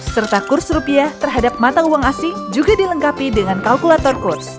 serta kurs rupiah terhadap mata uang asing juga dilengkapi dengan kalkulator kurs